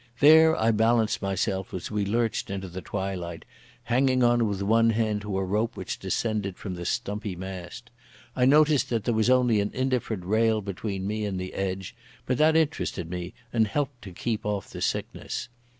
There I balanced myself, as we lurched into the twilight, hanging on with one hand to a rope which descended from the stumpy mast. I noticed that there was only an indifferent rail between me and the edge, but that interested me and helped to keep off sickness.